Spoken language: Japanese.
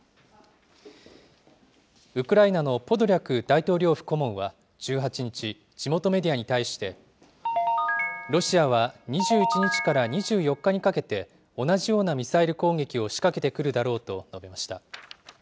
ウクライナのポドリャク大統領府顧問は１８日、地元メディアに対して、ロシアは２１日から２４日にかけて、同じようなミサイル攻撃を仕掛けてくるだろうと述べました。